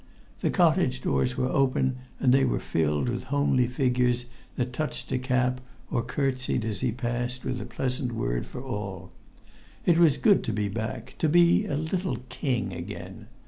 The cottage doors were open, and they were filled with homely figures that touched a cap or courtesied as he passed with a pleasant word for all. It was good to be back, to be a little king again.